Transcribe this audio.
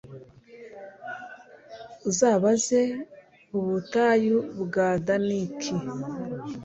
uzabaze ubutayu bwa Danakil